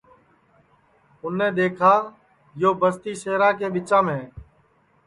تو اُنیں دؔیکھا یو بستی سیرا کے ٻچام ہے